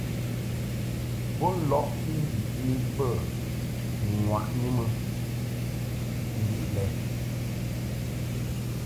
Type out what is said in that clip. Bo lɔʼ mbiʼni mbə ŋwaʼni mɨ mbiʼ lɛ.